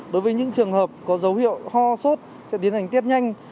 đối với những trường hợp có dấu hiệu ho sốt sẽ tiến hành tiết nhanh